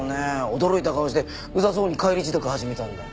驚いた顔してうざそうに帰り支度始めたんだよ。